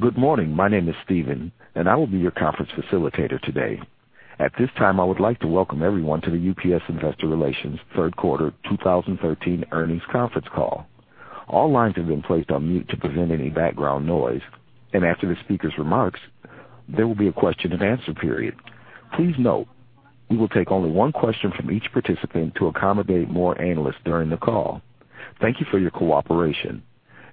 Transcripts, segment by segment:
Good morning. My name is Steven, and I will be your conference facilitator today. At this time, I would like to welcome everyone to the UPS Investor Relations Third Quarter 2013 Earnings Conference Call. All lines have been placed on mute to prevent any background noise, and after the speaker's remarks, there will be a question-and-answer period. Please note, we will take only one question from each participant to accommodate more analysts during the call. Thank you for your cooperation.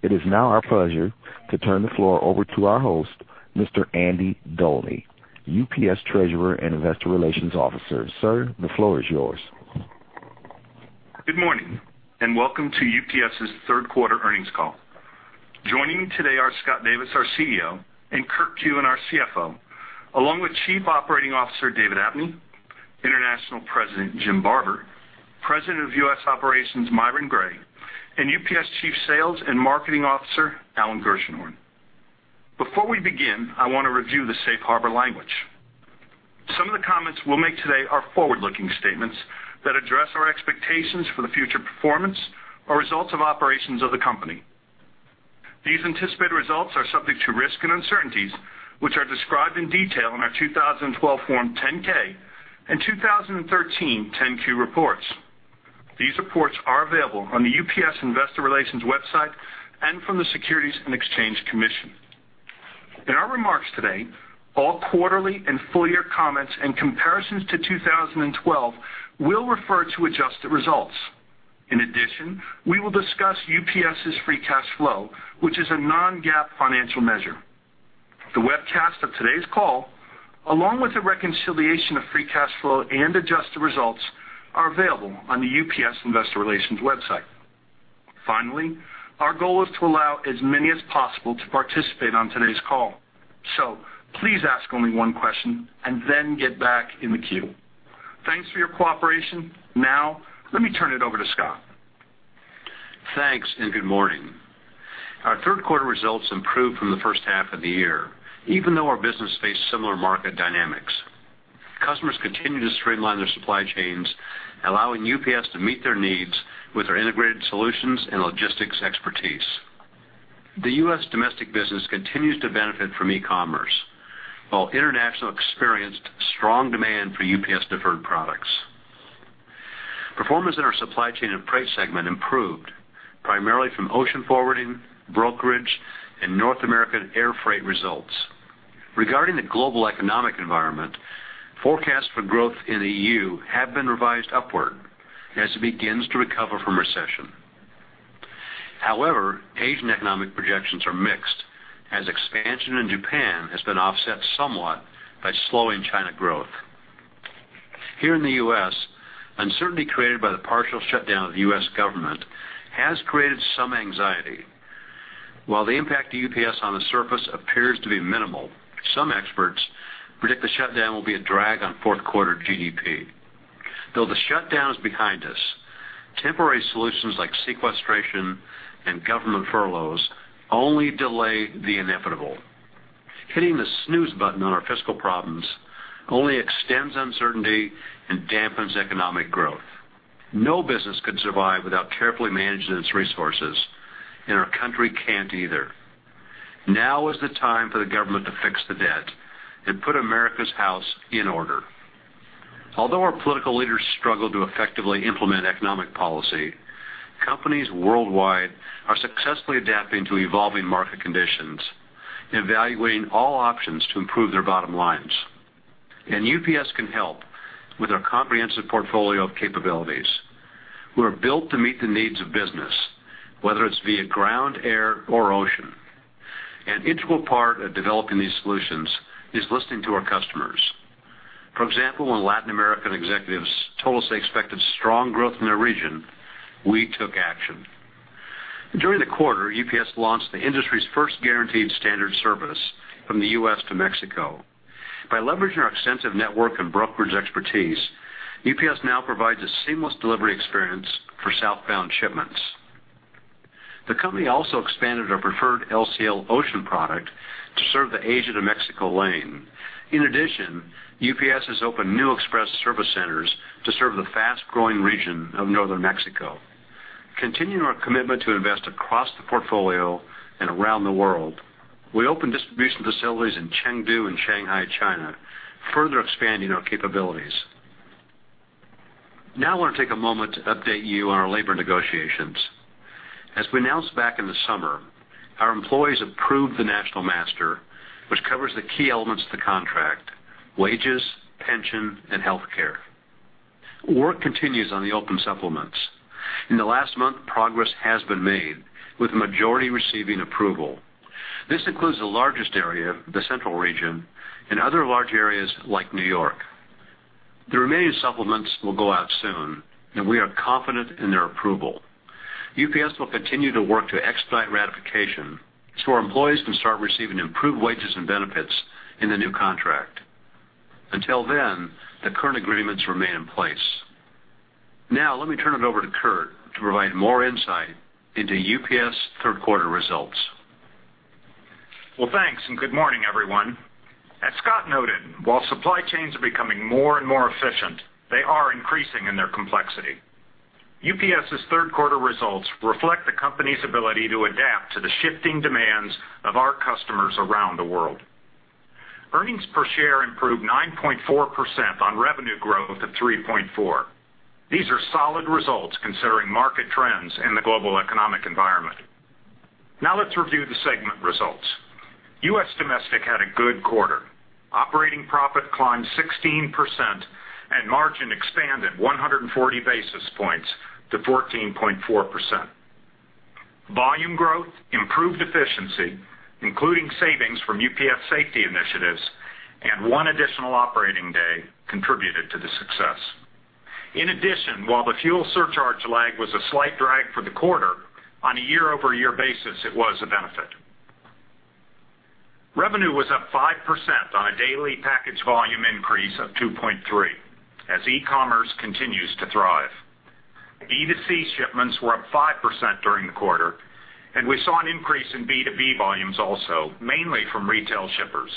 It is now our pleasure to turn the floor over to our host, Mr. Andy Dolny, UPS Treasurer and Investor Relations Officer. Sir, the floor is yours. Good morning, and welcome to UPS's Third Quarter Earnings Call. Joining me today are Scott Davis, our CEO, and Kurt Kuehn, our CFO, along with Chief Operating Officer David Abney, International President Jim Barber, President of U.S. Operations Myron Gray, and UPS Chief Sales and Marketing Officer Alan Gershenhorn. Before we begin, I want to review the safe harbor language. Some of the comments we'll make today are forward-looking statements that address our expectations for the future performance or results of operations of the company. These anticipated results are subject to risks and uncertainties, which are described in detail in our 2012 Form 10-K and 2013 10-Q reports. These reports are available on the UPS Investor Relations website and from the Securities and Exchange Commission. In our remarks today, all quarterly and full-year comments and comparisons to 2012 will refer to adjusted results. In addition, we will discuss UPS's free cash flow, which is a non-GAAP financial measure. The webcast of today's call, along with the reconciliation of free cash flow and adjusted results, are available on the UPS Investor Relations website. Finally, our goal is to allow as many as possible to participate on today's call, so please ask only one question and then get back in the queue. Thanks for your cooperation. Now, let me turn it over to Scott. Thanks, and good morning. Our third quarter results improved from the first half of the year, even though our business faced similar market dynamics. Customers continued to streamline their supply chains, allowing UPS to meet their needs with our integrated solutions and logistics expertise. The U.S. domestic business continues to benefit from e-commerce, while international experienced strong demand for UPS Deferred products. Performance in our Supply Chain and Freight segment improved, primarily from ocean forwarding, brokerage, and North American air freight results. Regarding the global economic environment, forecasts for growth in the E.U. have been revised upward as it begins to recover from recession. However, Asian economic projections are mixed, as expansion in Japan has been offset somewhat by slowing China growth. Here in the U.S., uncertainty created by the partial shutdown of the U.S. government has created some anxiety. While the impact to UPS on the surface appears to be minimal, some experts predict the shutdown will be a drag on fourth quarter GDP. Though the shutdown is behind us, temporary solutions like sequestration and government furloughs only delay the inevitable. Hitting the snooze button on our fiscal problems only extends uncertainty and dampens economic growth. No business could survive without carefully managing its resources, and our country can't either. Now is the time for the government to fix the debt and put America's house in order. Although our political leaders struggle to effectively implement economic policy, companies worldwide are successfully adapting to evolving market conditions, evaluating all options to improve their bottom lines. UPS can help with our comprehensive portfolio of capabilities. We're built to meet the needs of business, whether it's via ground, air, or ocean. An integral part of developing these solutions is listening to our customers. For example, when Latin American executives told us they expected strong growth in their region, we took action. During the quarter, UPS launched the industry's first guaranteed standard service from the U.S. to Mexico. By leveraging our extensive network and brokerage expertise, UPS now provides a seamless delivery experience for southbound shipments. The company also expanded our Preferred LCL ocean product to serve the Asia to Mexico lane. In addition, UPS has opened new express service centers to serve the fast-growing region of northern Mexico. Continuing our commitment to invest across the portfolio and around the world, we opened distribution facilities in Chengdu and Shanghai, China, further expanding our capabilities. Now, I want to take a moment to update you on our labor negotiations. As we announced back in the summer, our employees approved the National Master, which covers the key elements of the contract: wages, pension, and health care. Work continues on the open supplements. In the last month, progress has been made, with the majority receiving approval. This includes the largest area, the central region, and other large areas like New York. The remaining supplements will go out soon, and we are confident in their approval. UPS will continue to work to expedite ratification so our employees can start receiving improved wages and benefits in the new contract. Until then, the current agreements remain in place. Now, let me turn it over to Kurt to provide more insight into UPS's third quarter results. Well, thanks, and good morning, everyone.... Scott noted, while supply chains are becoming more and more efficient, they are increasing in their complexity. UPS's third quarter results reflect the company's ability to adapt to the shifting demands of our customers around the world. Earnings Per Share improved 9.4% on revenue growth of 3.4%. These are solid results considering market trends in the global economic environment. Now let's review the segment results. U.S. Domestic had a good quarter. Operating profit climbed 16%, and margin expanded 140 basis points to 14.4%. Volume growth, improved efficiency, including savings from UPS safety initiatives, and one additional operating day contributed to the success. In addition, while the fuel surcharge lag was a slight drag for the quarter, on a year-over-year basis, it was a benefit. Revenue was up 5% on a daily package volume increase of 2.3, as e-commerce continues to thrive. B2C shipments were up 5% during the quarter, and we saw an increase in B2B volumes also, mainly from retail shippers.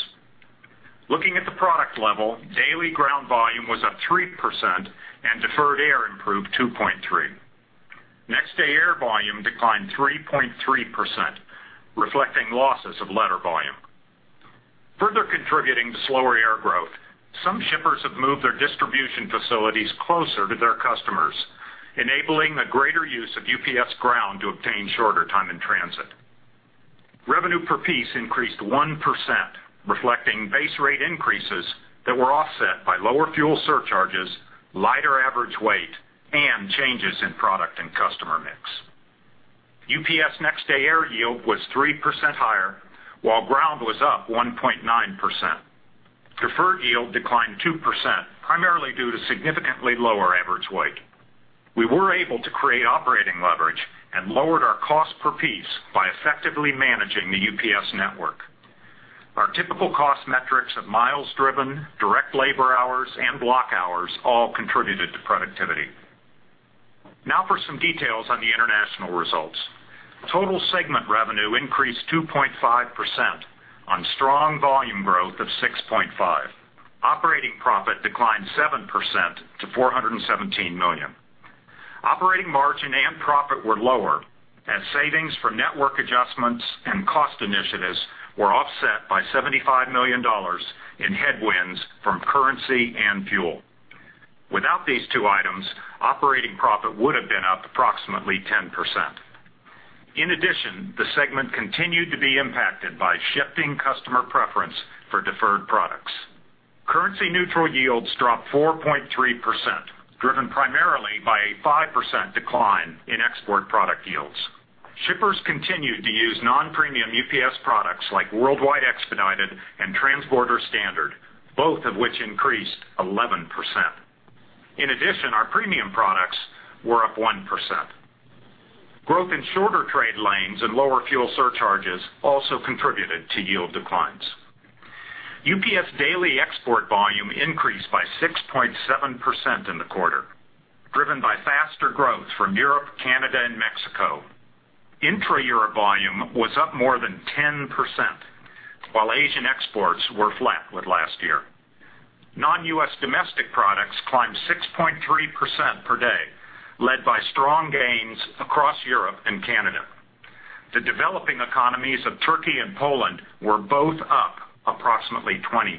Looking at the product level, daily UPS Ground volume was up 3% and UPS Deferred improved 2.3. UPS Next Day Air volume declined 3.3%, reflecting losses of letter volume. Further contributing to slower air growth, some shippers have moved their distribution facilities closer to their customers, enabling a greater use of UPS Ground to obtain shorter time in transit. Revenue per piece increased 1%, reflecting base rate increases that were offset by lower fuel surcharges, lighter average weight, and changes in product and customer mix. UPS Next Day Air yield was 3% higher, while UPS Ground was up 1.9%. Deferred yield declined 2%, primarily due to significantly lower average weight. We were able to create operating leverage and lowered our cost per piece by effectively managing the UPS network. Our typical cost metrics of miles driven, direct labor hours, and block hours all contributed to productivity. Now for some details on the international results. Total segment revenue increased 2.5% on strong volume growth of 6.5. Operating profit declined 7% to $417 million. Operating margin and profit were lower, as savings from network adjustments and cost initiatives were offset by $75 million in headwinds from currency and fuel. Without these two items, operating profit would have been up approximately 10%. In addition, the segment continued to be impacted by shifting customer preference for deferred products. Currency-neutral yields dropped 4.3%, driven primarily by a 5% decline in export product yields. Shippers continued to use non-premium UPS products like Worldwide Expedited and Transborder Standard, both of which increased 11%. In addition, our premium products were up 1%. Growth in shorter trade lanes and lower fuel surcharges also contributed to yield declines. UPS daily export volume increased by 6.7% in the quarter, driven by faster growth from Europe, Canada and Mexico. Intra-Europe volume was up more than 10%, while Asian exports were flat with last year. Non-US domestic products climbed 6.3% per day, led by strong gains across Europe and Canada. The developing economies of Turkey and Poland were both up approximately 20%.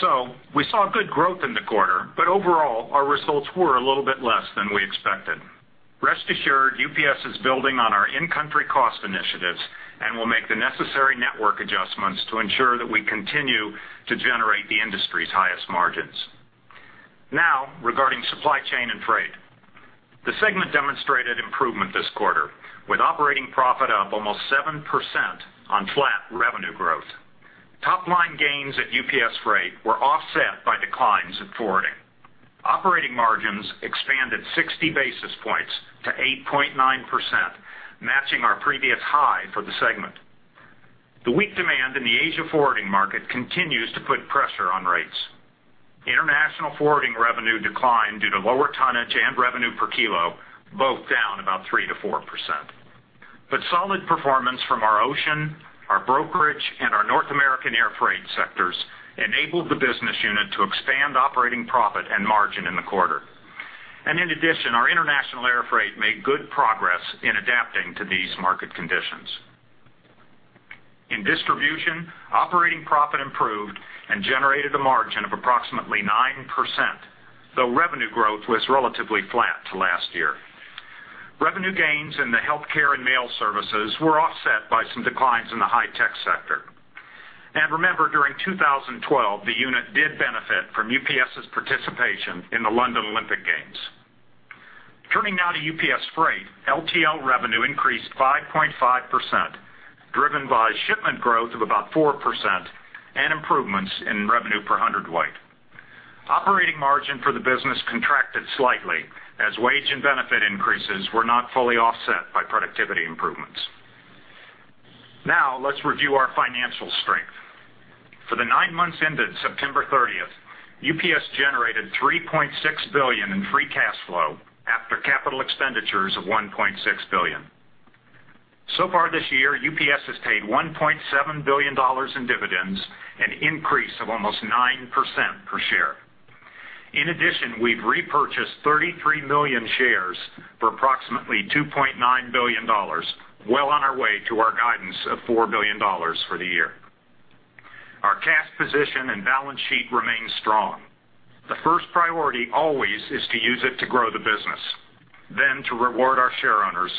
So we saw good growth in the quarter, but overall, our results were a little bit less than we expected. Rest assured, UPS is building on our in-country cost initiatives and will make the necessary network adjustments to ensure that we continue to generate the industry's highest margins. Now, regarding supply chain and freight. The segment demonstrated improvement this quarter, with operating profit up almost 7% on flat revenue growth. Top-line gains at UPS Freight were offset by declines in forwarding. Operating margins expanded 60 basis points to 8.9%, matching our previous high for the segment. The weak demand in the Asia forwarding market continues to put pressure on rates. International forwarding revenue declined due to lower tonnage and revenue per kilo, both down about 3%-4%. But solid performance from our ocean, our brokerage, and our North American air freight sectors enabled the business unit to expand operating profit and margin in the quarter. In addition, our international air freight made good progress in adapting to these market conditions. In distribution, operating profit improved and generated a margin of approximately 9%, though revenue growth was relatively flat to last year. Revenue gains in the healthcare and mail services were offset by some declines in the high tech sector. And remember, during 2012, the unit did benefit from UPS's participation in the London Olympic Games. Turning now to UPS Freight, LTL revenue increased 5.5%, driven by shipment growth of about 4% and improvements in revenue per hundredweight. Operating margin for the business contracted slightly, as wage and benefit increases were not fully offset by productivity improvements. Now, let's review our financial strength. For the nine months ended September 30th, UPS generated $3.6 billion in free cash flow.... After capital expenditures of $1.6 billion. So far this year, UPS has paid $1.7 billion in dividends, an increase of almost 9% per share. In addition, we've repurchased 33 million shares for approximately $2.9 billion, well on our way to our guidance of $4 billion for the year. Our cash position and balance sheet remain strong. The first priority always is to use it to grow the business, then to reward our shareowners,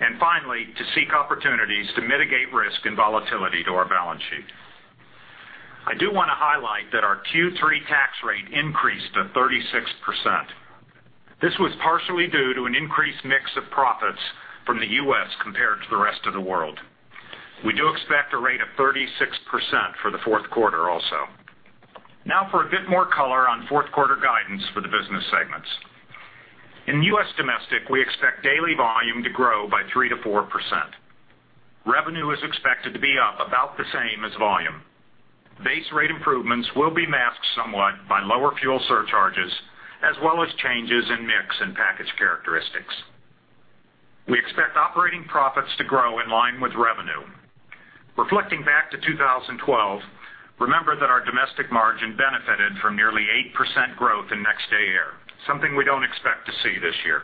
and finally, to seek opportunities to mitigate risk and volatility to our balance sheet. I do want to highlight that our Q3 tax rate increased to 36%. This was partially due to an increased mix of profits from the US compared to the rest of the world. We do expect a rate of 36% for the fourth quarter also. Now for a bit more color on fourth quarter guidance for the business segments. In U.S. Domestic, we expect daily volume to grow by 3%-4%. Revenue is expected to be up about the same as volume. Base rate improvements will be masked somewhat by lower fuel surcharges, as well as changes in mix and package characteristics. We expect operating profits to grow in line with revenue. Reflecting back to 2012, remember that our domestic margin benefited from nearly 8% growth in next-day air, something we don't expect to see this year.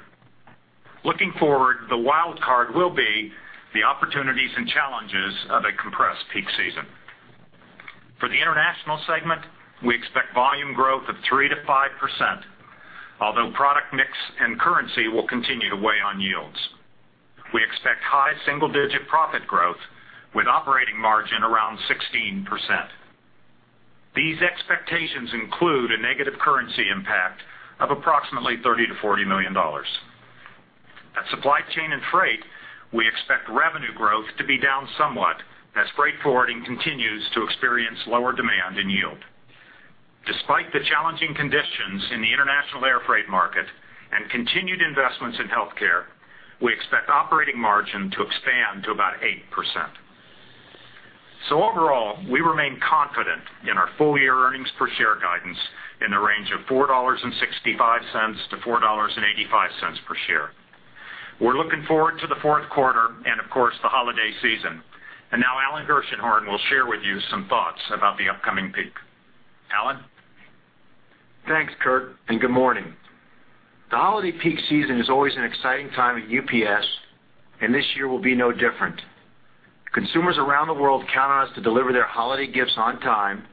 Looking forward, the wild card will be the opportunities and challenges of a compressed peak season. For the International segment, we expect volume growth of 3%-5%, although product mix and currency will continue to weigh on yields. We expect high single-digit profit growth with operating margin around 16%. These expectations include a negative currency impact of approximately $30-$40 million. At Supply Chain and Freight, we expect revenue growth to be down somewhat as freight forwarding continues to experience lower demand and yield. Despite the challenging conditions in the international airfreight market and continued investments in healthcare, we expect operating margin to expand to about 8%. So overall, we remain confident in our full-year earnings per share guidance in the range of $4.65-$4.85 per share. We're looking forward to the fourth quarter and, of course, the holiday season. And now Alan Gershenhorn will share with you some thoughts about the upcoming peak. Alan? Thanks, Kurt, and good morning. The holiday peak season is always an exciting time at UPS, and this year will be no different. Consumers around the world count on us to deliver their holiday gifts on time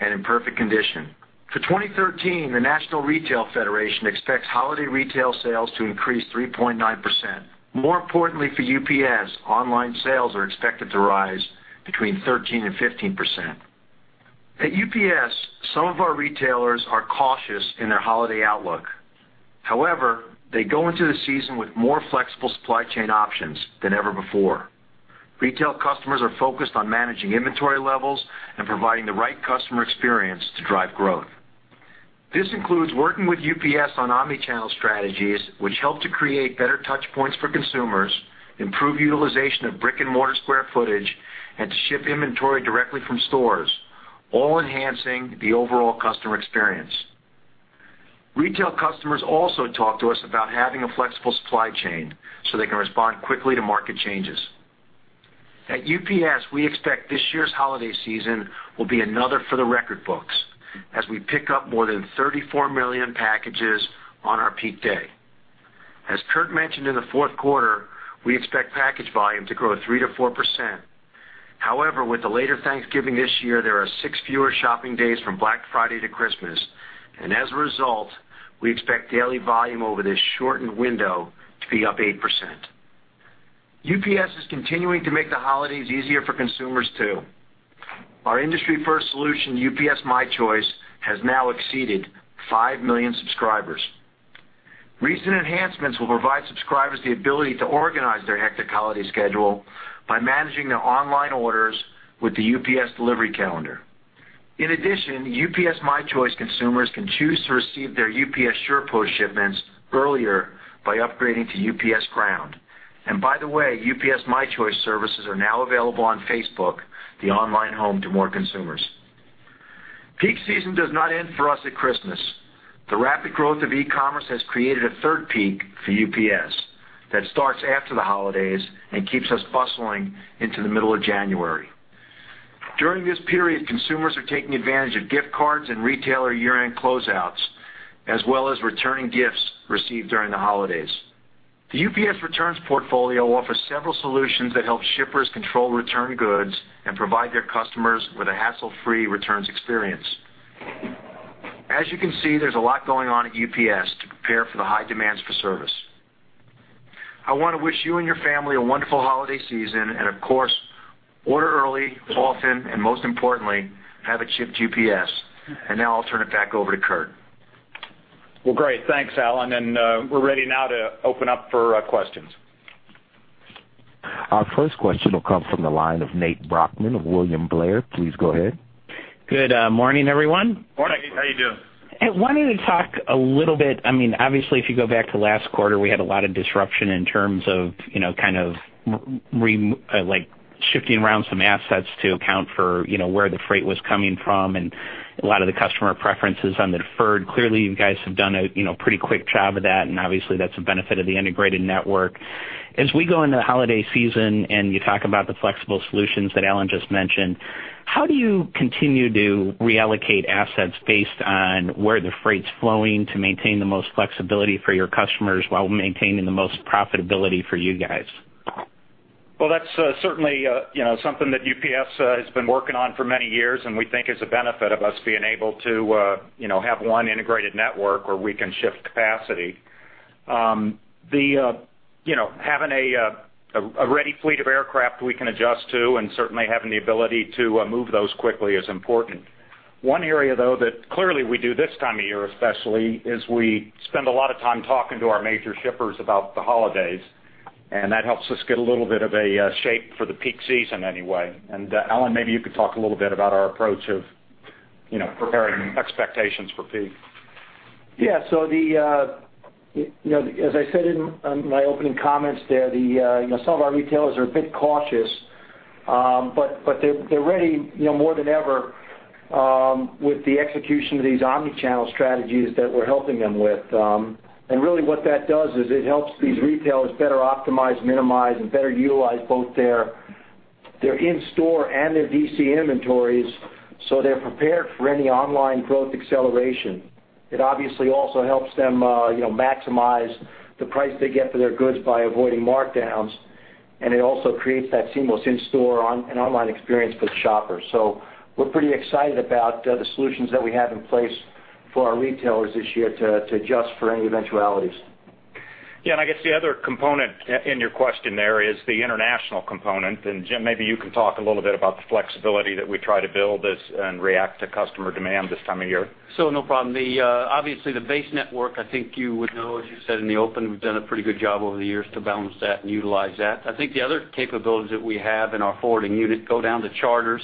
and in perfect condition. For 2013, the National Retail Federation expects holiday retail sales to increase 3.9%. More importantly, for UPS, online sales are expected to rise between 13% and 15%. At UPS, some of our retailers are cautious in their holiday outlook. However, they go into the season with more flexible supply chain options than ever before. Retail customers are focused on managing inventory levels and providing the right customer experience to drive growth. This includes working with UPS on omni-channel strategies, which help to create better touchpoints for consumers, improve utilization of brick-and-mortar square footage, and to ship inventory directly from stores, all enhancing the overall customer experience. Retail customers also talk to us about having a flexible supply chain so they can respond quickly to market changes. At UPS, we expect this year's holiday season will be another for the record books as we pick up more than 34 million packages on our peak day. As Kurt mentioned, in the fourth quarter, we expect package volume to grow 3%-4%. However, with the later Thanksgiving this year, there are 6 fewer shopping days from Black Friday to Christmas, and as a result, we expect daily volume over this shortened window to be up 8%. UPS is continuing to make the holidays easier for consumers, too. Our industry-first solution, UPS My Choice, has now exceeded 5 million subscribers. Recent enhancements will provide subscribers the ability to organize their hectic holiday schedule by managing their online orders with the UPS Delivery Calendar. In addition, UPS My Choice consumers can choose to receive their UPS SurePost shipments earlier by upgrading to UPS Ground. And by the way, UPS My Choice services are now available on Facebook, the online home to more consumers. Peak season does not end for us at Christmas. The rapid growth of e-commerce has created a third peak for UPS that starts after the holidays and keeps us bustling into the middle of January. During this period, consumers are taking advantage of gift cards and retailer year-end closeouts, as well as returning gifts received during the holidays. The UPS Returns portfolio offers several solutions that help shippers control returned goods and provide their customers with a hassle-free returns experience. As you can see, there's a lot going on at UPS to prepare for the high demands for service. I want to wish you and your family a wonderful holiday season, and of course, order early, often, and most importantly, have it shipped UPS. Now I'll turn it back over to Kurt. Well, great. Thanks, Alan, and we're ready now to open up for questions. Our first question will come from the line of Nate Brochmann of William Blair. Please go ahead. Good morning, everyone. Morning. How are you doing? I wanted to talk a little bit... I mean, obviously, if you go back to last quarter, we had a lot of disruption in terms of, you know, kind of like,... shifting around some assets to account for, you know, where the freight was coming from and a lot of the customer preferences on the deferred. Clearly, you guys have done a, you know, pretty quick job of that, and obviously, that's a benefit of the integrated network. As we go into the holiday season, and you talk about the flexible solutions that Alan just mentioned, how do you continue to reallocate assets based on where the freight's flowing to maintain the most flexibility for your customers while maintaining the most profitability for you guys? Well, that's certainly, you know, something that UPS has been working on for many years, and we think is a benefit of us being able to, you know, have one integrated network where we can shift capacity. The, you know, having a ready fleet of aircraft we can adjust to, and certainly having the ability to move those quickly is important. One area, though, that clearly we do this time of year, especially, is we spend a lot of time talking to our major shippers about the holidays, and that helps us get a little bit of a shape for the peak season anyway. And, Alan, maybe you could talk a little bit about our approach of, you know, preparing expectations for peak. Yeah, so the, you know, as I said in my opening comments there, the, you know, some of our retailers are a bit cautious, but, but they're, they're ready, you know, more than ever, with the execution of these omnichannel strategies that we're helping them with. And really, what that does is it helps these retailers better optimize, minimize, and better utilize both their, their in-store and their DC inventories, so they're prepared for any online growth acceleration. It obviously also helps them, you know, maximize the price they get for their goods by avoiding markdowns, and it also creates that seamless in-store on- and online experience for the shoppers. So we're pretty excited about the solutions that we have in place for our retailers this year to, to adjust for any eventualities. Yeah, and I guess the other component in your question there is the international component. Jim, maybe you can talk a little bit about the flexibility that we try to build and react to customer demand this time of year. So no problem. The obviously, the base network, I think you would know, as you said in the open, we've done a pretty good job over the years to balance that and utilize that. I think the other capabilities that we have in our forwarding unit go down to charters,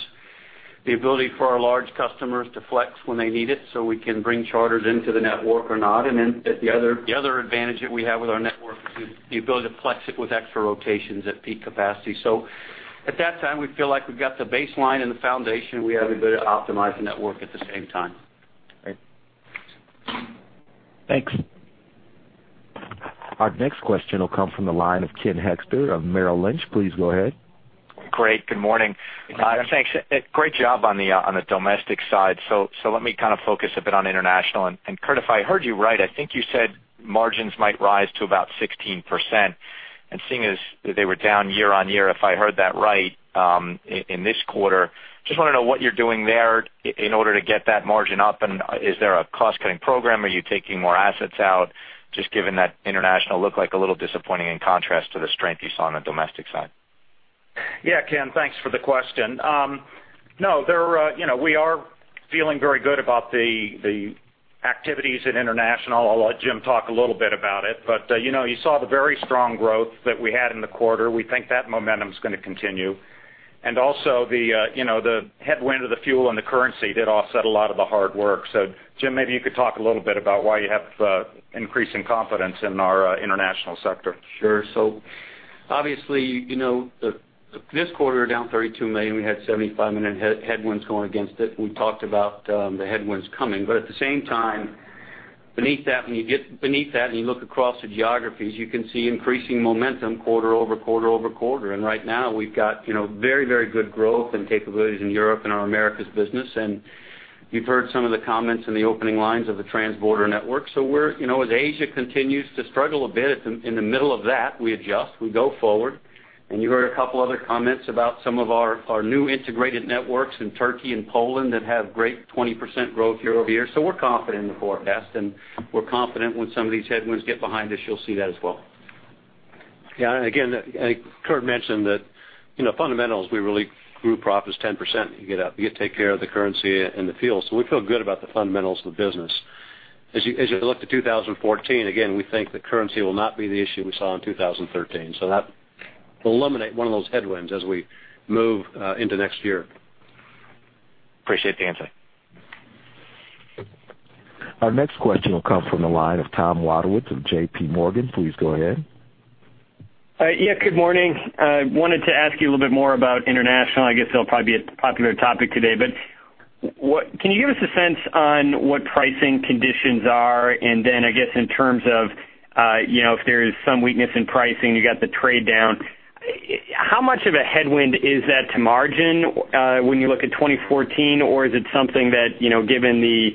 the ability for our large customers to flex when they need it, so we can bring charters into the network or not. And then the other advantage that we have with our network is the ability to flex it with extra rotations at peak capacity. So at that time, we feel like we've got the baseline and the foundation, we have the ability to optimize the network at the same time. Great. Thanks. Our next question will come from the line of Ken Hoexter of Merrill Lynch. Please go ahead. Great. Good morning. Thanks. Great job on the domestic side. So let me kind of focus a bit on international. And Kurt, if I heard you right, I think you said margins might rise to about 16%. And seeing as they were down year-on-year, if I heard that right, in this quarter, just want to know what you're doing there in order to get that margin up, and is there a cost-cutting program? Are you taking more assets out, just given that international looked like a little disappointing in contrast to the strength you saw on the domestic side? Yeah, Ken, thanks for the question. No, there are... You know, we are feeling very good about the, the activities at international. I'll let Jim talk a little bit about it, but, you know, you saw the very strong growth that we had in the quarter. We think that momentum is going to continue. And also, the, you know, the headwind of the fuel and the currency did offset a lot of the hard work. So Jim, maybe you could talk a little bit about why you have increasing confidence in our, international sector. Sure. So obviously, you know, the, this quarter, down $32 million, we had $75 million headwinds going against it, and we talked about the headwinds coming. But at the same time, beneath that, when you get beneath that and you look across the geographies, you can see increasing momentum quarter-over-quarter-over-quarter. And right now, we've got, you know, very, very good growth and capabilities in Europe and our Americas business. And you've heard some of the comments in the opening lines of the transborder network. So we're, you know, as Asia continues to struggle a bit, it's in, in the middle of that, we adjust, we go forward. And you heard a couple other comments about some of our, our new integrated networks in Turkey and Poland that have great 20% growth year-over-year. So we're confident in the forecast, and we're confident when some of these headwinds get behind us, you'll see that as well. Yeah, and again, and Kurt mentioned that, you know, fundamentals, we really... Group profit is 10%. You get up, you take care of the currency and the fuel. So we feel good about the fundamentals of the business. As you, as you look to 2014, again, we think the currency will not be the issue we saw in 2013. So that will eliminate one of those headwinds as we move into next year. Appreciate the answer. Our next question will come from the line of Tom Wadewitz of JP Morgan. Please go ahead. Yeah, good morning. I wanted to ask you a little bit more about international. I guess that'll probably be a popular topic today, but what can you give us a sense on what pricing conditions are? And then, I guess, in terms of, you know, if there is some weakness in pricing, you got the trade down, how much of a headwind is that to margin, when you look at 2014? Or is it something that, you know, given the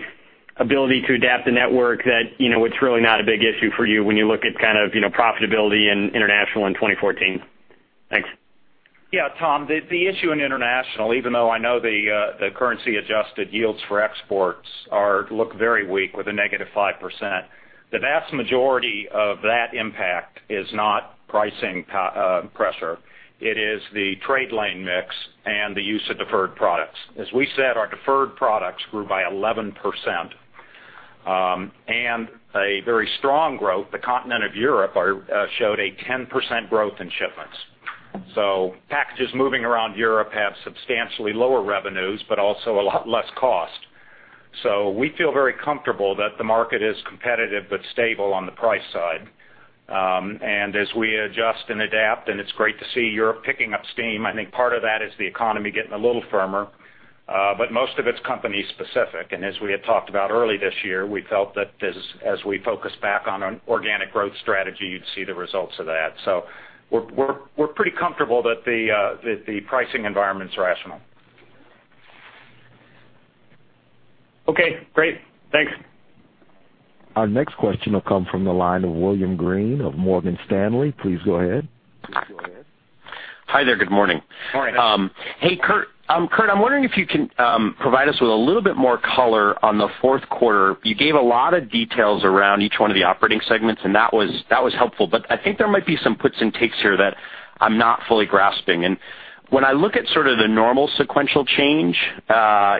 ability to adapt the network, that, you know, it's really not a big issue for you when you look at kind of, you know, profitability in international in 2014? Thanks. Yeah, Tom, the issue in international, even though I know the currency-adjusted yields for exports look very weak, with a negative 5%, the vast majority of that impact is not pricing pressure. It is the trade lane mix and the use of deferred products. As we said, our deferred products grew by 11%, and a very strong growth. The continent of Europe showed a 10% growth in shipments. So packages moving around Europe have substantially lower revenues, but also a lot less cost. So we feel very comfortable that the market is competitive but stable on the price side. And as we adjust and adapt, and it's great to see Europe picking up steam, I think part of that is the economy getting a little firmer, but most of it's company specific. As we had talked about early this year, we felt that as we focus back on an organic growth strategy, you'd see the results of that. So we're pretty comfortable that the pricing environment is rational. Okay, great. Thanks. Our next question will come from the line of William Greene of Morgan Stanley. Please go ahead. Hi there. Good morning. Morning. Hey, Kurt. I'm wondering if you can provide us with a little bit more color on the fourth quarter. You gave a lot of details around each one of the operating segments, and that was helpful, but I think there might be some puts and takes here that I'm not fully grasping. When I look at sort of the normal sequential change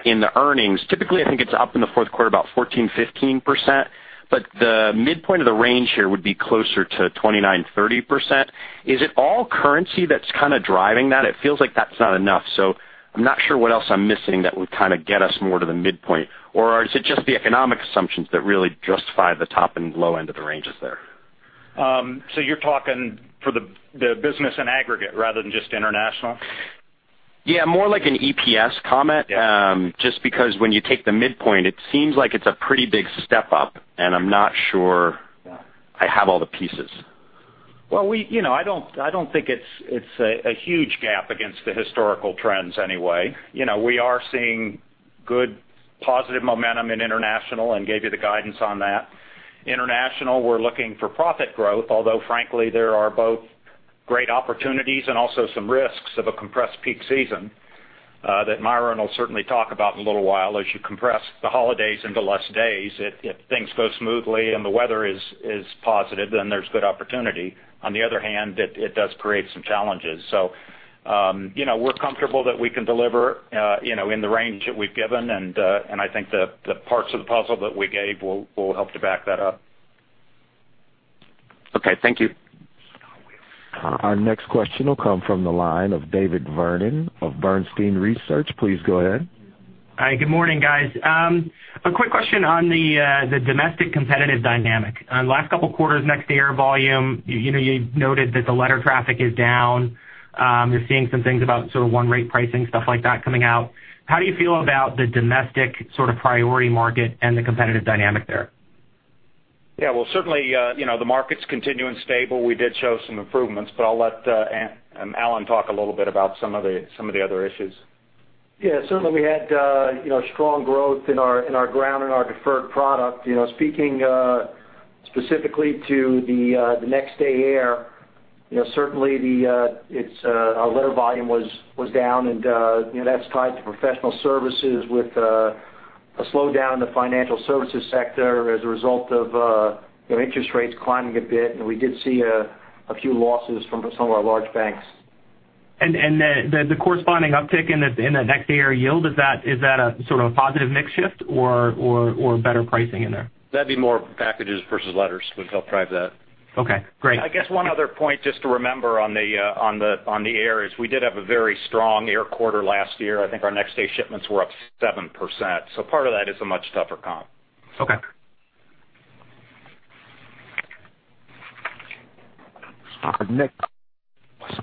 in the earnings, typically, I think it's up in the fourth quarter, about 14%-15%, but the midpoint of the range here would be closer to 29%-30%. Is it all currency that's kind of driving that? It feels like that's not enough. So I'm not sure what else I'm missing that would kind of get us more to the midpoint. Or is it just the economic assumptions that really justify the top and low end of the ranges there? So you're talking for the business in aggregate rather than just international? Yeah, more like an EPS comment. Yeah. Just because when you take the midpoint, it seems like it's a pretty big step up, and I'm not sure- Yeah I have all the pieces. Well, you know, I don't, I don't think it's, it's a, a huge gap against the historical trends anyway. You know, we are seeing good positive momentum in international and gave you the guidance on that. International, we're looking for profit growth, although frankly, there are both great opportunities and also some risks of a compressed peak season that Myron will certainly talk about in a little while. As you compress the holidays into less days, if, if things go smoothly and the weather is, is positive, then there's good opportunity. On the other hand, it, it does create some challenges. So, you know, we're comfortable that we can deliver, you know, in the range that we've given, and, and I think the, the parts of the puzzle that we gave will, will help to back that up. Okay. Thank you. Our next question will come from the line of David Vernon of Bernstein Research. Please go ahead. Hi, good morning, guys. A quick question on the domestic competitive dynamic. On the last couple of quarters, Next Day Air volume, you know, you noted that the letter traffic is down. You're seeing some things about sort of One Rate pricing, stuff like that coming out. How do you feel about the domestic sort of priority market and the competitive dynamic there? Yeah, well, certainly, you know, the market's continuing stable. We did show some improvements, but I'll let Alan talk a little bit about some of the other issues. Yeah, certainly, we had, you know, strong growth in our Ground and our Deferred product. You know, speaking specifically to the Next Day Air, you know, certainly it's our letter volume was down, and, you know, that's tied to professional services with a slowdown in the financial services sector as a result of, you know, interest rates climbing a bit, and we did see a few losses from some of our large banks. And the corresponding uptick in the Next Day Air yield, is that a sort of a positive mix shift or better pricing in there? That'd be more packages versus letters would help drive that. Okay, great. I guess one other point, just to remember on the air, is we did have a very strong air quarter last year. I think our next-day shipments were up 7%, so part of that is a much tougher comp. Okay.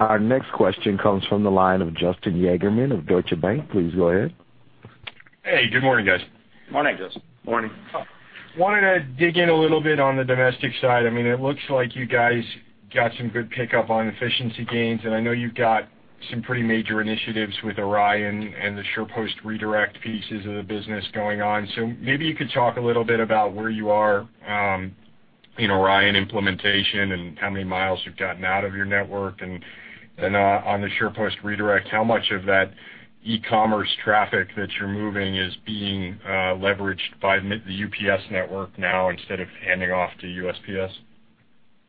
Our next question comes from the line of Justin Yagerman of Deutsche Bank. Please go ahead. Hey, good morning, guys. Morning. Morning. Wanted to dig in a little bit on the domestic side. I mean, it looks like you guys got some good pickup on efficiency gains, and I know you've got some pretty major initiatives with Orion and the SurePost redirect pieces of the business going on. So maybe you could talk a little bit about where you are in Orion implementation and how many miles you've gotten out of your network. And on the SurePost redirect, how much of that e-commerce traffic that you're moving is being leveraged by the UPS network now instead of handing off to USPS?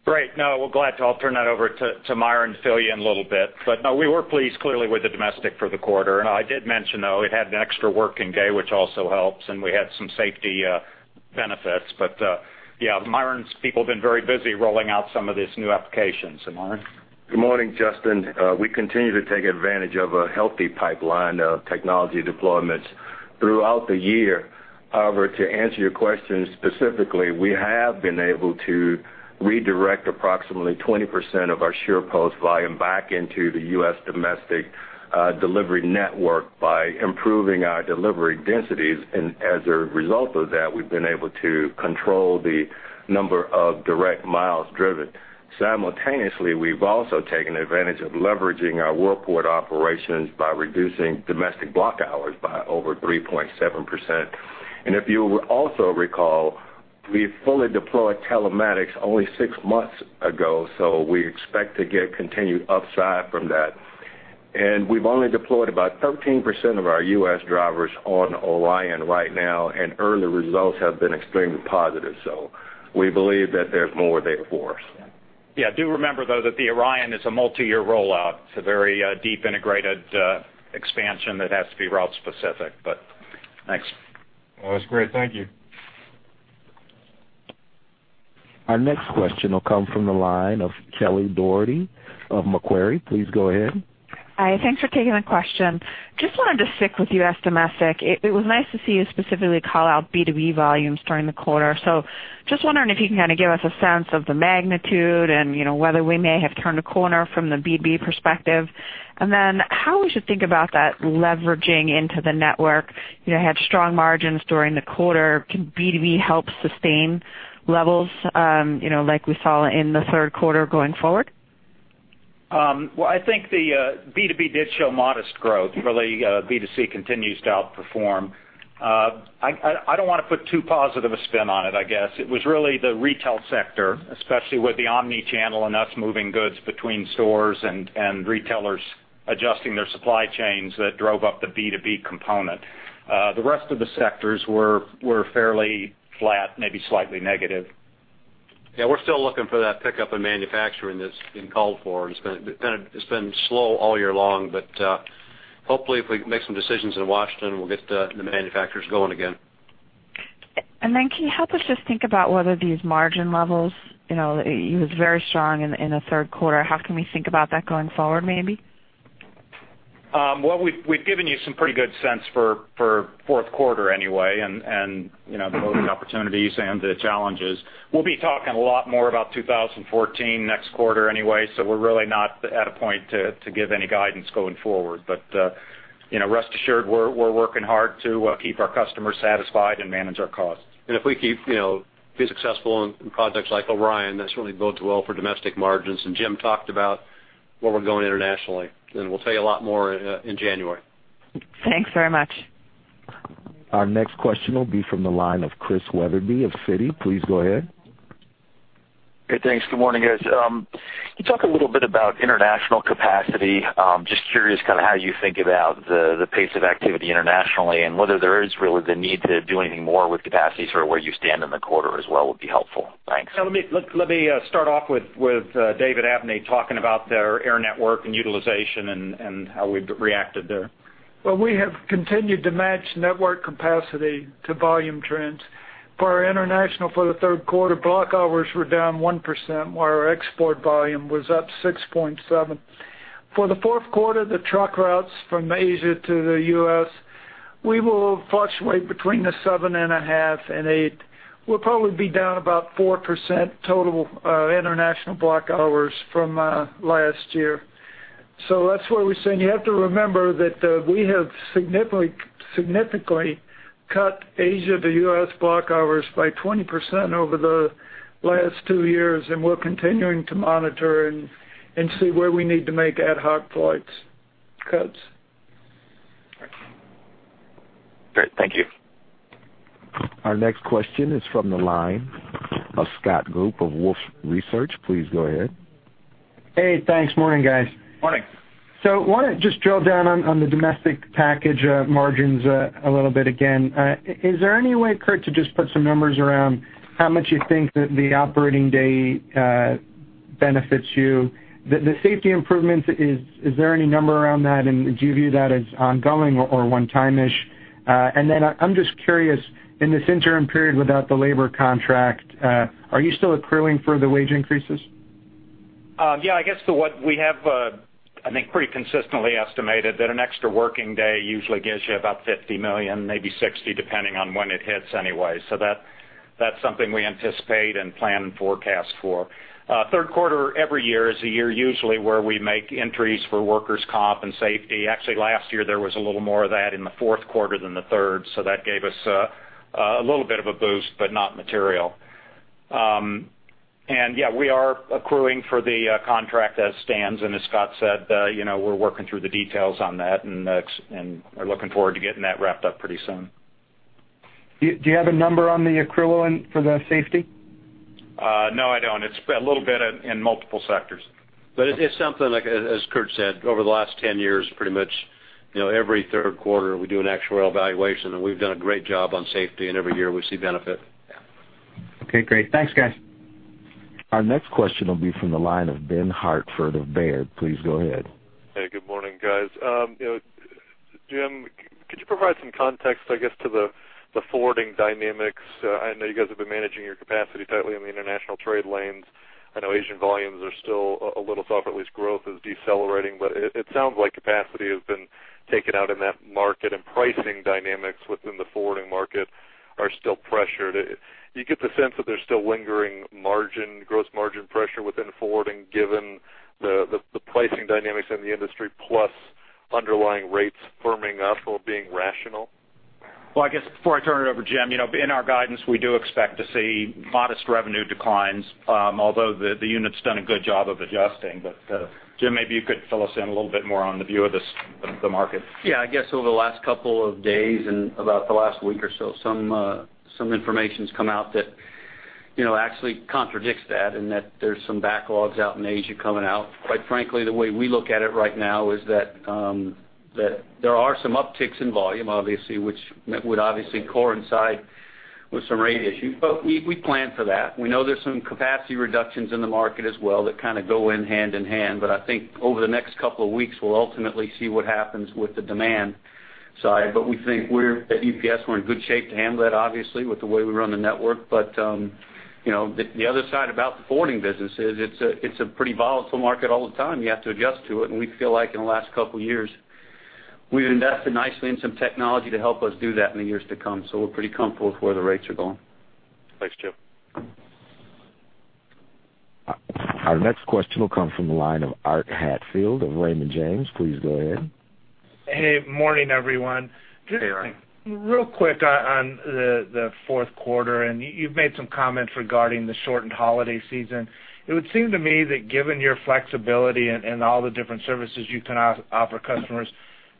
Great. No, well, glad to. I'll turn that over to Myron to fill you in a little bit. But, no, we were pleased, clearly, with the domestic for the quarter. And I did mention, though, it had an extra working day, which also helps, and we had some safety benefits. But, yeah, Myron's people have been very busy rolling out some of these new applications. So Myron? Good morning, Justin. We continue to take advantage of a healthy pipeline of technology deployments throughout the year. However, to answer your question specifically, we have been able to redirect approximately 20% of our SurePost volume back into the U.S. domestic delivery network by improving our delivery densities, and as a result of that, we've been able to control the number of direct miles driven. Simultaneously, we've also taken advantage of leveraging our Worldport operations by reducing domestic block hours by over 3.7%. And if you will also recall, we fully deployed telematics only six months ago, so we expect to get continued upside from that. And we've only deployed about 13% of our U.S. drivers on Orion right now, and early results have been extremely positive, so we believe that there's more there for us. Yeah, do remember, though, that the Orion is a multi-year rollout. It's a very, deep, integrated, expansion that has to be route specific, but thanks. That's great. Thank you.... Our next question will come from the line of Kelly Dougherty of Macquarie. Please go ahead. Hi, thanks for taking the question. Just wanted to stick with U.S. domestic. It was nice to see you specifically call out B2B volumes during the quarter. So just wondering if you can kind of give us a sense of the magnitude and, you know, whether we may have turned a corner from the B2B perspective. And then how we should think about that leveraging into the network? You know, had strong margins during the quarter. Can B2B help sustain levels, you know, like we saw in the third quarter going forward? Well, I think the B2B did show modest growth. Really, B2C continues to outperform. I don't want to put too positive a spin on it, I guess. It was really the retail sector, especially with the omnichannel and us moving goods between stores and retailers adjusting their supply chains that drove up the B2B component. The rest of the sectors were fairly flat, maybe slightly negative. Yeah, we're still looking for that pickup in manufacturing that's been called for. It's been slow all year long, but hopefully, if we can make some decisions in Washington, we'll get the manufacturers going again. And then can you help us just think about whether these margin levels, you know, it was very strong in the third quarter? How can we think about that going forward, maybe? Well, we've given you some pretty good sense for fourth quarter anyway, and, you know, the growth opportunities and the challenges. We'll be talking a lot more about 2014 next quarter anyway, so we're really not at a point to give any guidance going forward. But, you know, rest assured, we're working hard to keep our customers satisfied and manage our costs. If we keep, you know, be successful in products like Orion, that certainly bodes well for domestic margins. Jim talked about where we're going internationally, and we'll tell you a lot more in January. Thanks very much. Our next question will be from the line of Chris Wetherbee of Citi. Please go ahead. Good, thanks. Good morning, guys. Can you talk a little bit about international capacity? Just curious kind of how you think about the, the pace of activity internationally and whether there is really the need to do anything more with capacity, sort of where you stand in the quarter as well, would be helpful. Thanks. Yeah, let me start off with David Abney talking about their air network and utilization and how we've reacted there. Well, we have continued to match network capacity to volume trends. For our international, for the third quarter, block hours were down 1%, while our export volume was up 6.7. For the fourth quarter, the truck routes from Asia to the U.S., we will fluctuate between 7.5 and 8. We'll probably be down about 4% total, International Block Hours from last year. So that's why we're saying you have to remember that, we have significantly, significantly cut Asia to U.S. Block Hours by 20% over the last 2 years, and we're continuing to monitor and see where we need to make ad hoc flights cuts. Great. Thank you. Our next question is from the line of Scott Group of Wolfe Research. Please go ahead. Hey, thanks. Morning, guys. Morning. So I want to just drill down on the domestic package margins a little bit again. Is there any way, Kurt, to just put some numbers around how much you think that the operating day benefits you? The safety improvements, is there any number around that, and do you view that as ongoing or one-time-ish? And then I'm just curious, in this interim period without the labor contract, are you still accruing further wage increases? Yeah, I guess to what we have, I think, pretty consistently estimated that an extra working day usually gives you about $50 million, maybe $60 million, depending on when it hits anyway. So that, that's something we anticipate and plan and forecast for. Third quarter every year is a year usually where we make entries for workers' comp and safety. Actually, last year, there was a little more of that in the fourth quarter than the third, so that gave us a little bit of a boost, but not material. And yeah, we are accruing for the contract as stands, and as Scott said, you know, we're working through the details on that, and are looking forward to getting that wrapped up pretty soon. Do you have a number on the accrual and for the safety? No, I don't. It's a little bit in multiple sectors. It's something like, as Kurt said, over the last 10 years, pretty much, you know, every third quarter, we do an actuarial evaluation, and we've done a great job on safety, and every year we see benefit. Okay, great. Thanks, guys. Our next question will be from the line of Ben Hartford of Baird. Please go ahead. Hey, good morning, guys. You know, Jim, could you provide some context, I guess, to the forwarding dynamics? I know you guys have been managing your capacity tightly in the international trade lanes. I know Asian volumes are still a little soft, at least growth is decelerating, but it sounds like capacity has been taken out in that market, and pricing dynamics within the forwarding market are still pressured. Do you get the sense that there's still lingering margin, gross margin pressure within forwarding, given the pricing dynamics in the industry, plus underlying rates firming up or being rational? Well, I guess before I turn it over, Jim, you know, in our guidance, we do expect to see modest revenue declines, although the unit's done a good job of adjusting. But, Jim, maybe you could fill us in a little bit more on the view of the market. Yeah, I guess over the last couple of days and about the last week or so, some information's come out that, you know, actually contradicts that, and that there's some backlogs out in Asia coming out. Quite frankly, the way we look at it right now is that there are some upticks in volume, obviously, which would obviously coincide with some rate issues, but we plan for that. We know there's some capacity reductions in the market as well that kind of go in hand in hand. But I think over the next couple of weeks, we'll ultimately see what happens with the demand. ... side, but we think we're at UPS we're in good shape to handle that, obviously, with the way we run the network. But you know, the other side about the forwarding business is it's a pretty volatile market all the time. You have to adjust to it, and we feel like in the last couple of years, we've invested nicely in some technology to help us do that in the years to come. So we're pretty comfortable with where the rates are going. Thanks, Jim. Our next question will come from the line of Art Hatfield of Raymond James. Please go ahead. Hey, morning, everyone. Hey, Art. Just real quick on the fourth quarter, and you've made some comments regarding the shortened holiday season. It would seem to me that given your flexibility and all the different services you can offer customers,